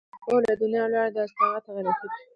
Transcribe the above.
خو که ناپوه له دنیا ولاړې دا ستا غټه غلطي ده!